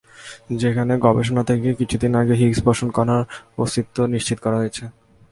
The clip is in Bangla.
যেখানের গবেষণা থেকে কিছুদিন আগে হিগস-বোসন কণার অস্তিত্ব নিশ্চিত করা হয়েছে।